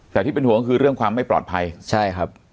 แต่ที่เป็นห่วงก็คือเรื่องความไม่ปลอดภัยใช่ครับ